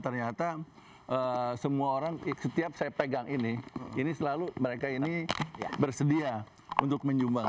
ternyata semua orang setiap saya pegang ini ini selalu mereka ini bersedia untuk menyumbang